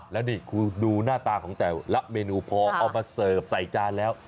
แล้วนี่คุณดูหน้าตาของแต่ละเมนูพอเอามาเสิร์ฟใส่จานแล้ว